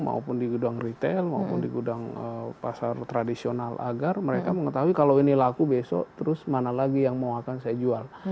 maupun di gudang retail maupun di gudang pasar tradisional agar mereka mengetahui kalau ini laku besok terus mana lagi yang mau akan saya jual